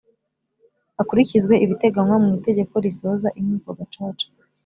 hakurikizwe ibiteganywa mu itegeko risoza Inkiko Gacaca